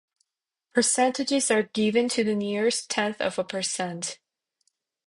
Percentages are given to the nearest tenth of a percent.